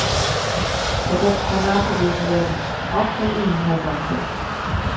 Der Text kann nachgelesen werden, auch von Ihnen, Herr Santer.